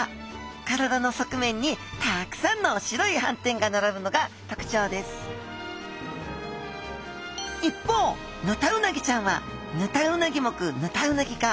体の側面にたくさんの白いはんてんがならぶのがとくちょうです一方ヌタウナギちゃんはヌタウナギ目ヌタウナギ科。